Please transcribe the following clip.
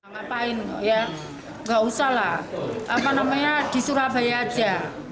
ngapain ya nggak usah lah apa namanya di surabaya aja